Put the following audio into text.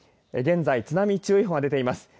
現在、津波注意報が出ています。